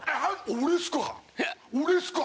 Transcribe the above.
俺っすか？